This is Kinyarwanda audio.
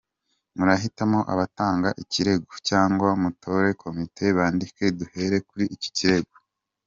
Murahitamo abatanga ikirego cyangwa mutore komite bandike duhere kuri iki kirego.